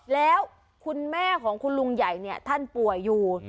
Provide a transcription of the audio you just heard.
แล้วคุณแม่ของคุณลุงใหญ่เนี่ยท่านป่วยอยู่